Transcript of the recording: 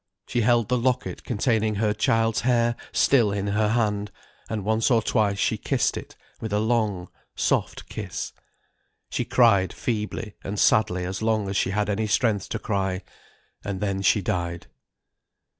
She held the locket containing her child's hair still in her hand, and once or twice she kissed it with a long soft kiss. She cried feebly and sadly as long as she had any strength to cry, and then she died.